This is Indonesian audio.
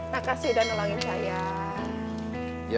makasih udah nolongin saya